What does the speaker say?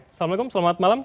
assalamualaikum selamat malam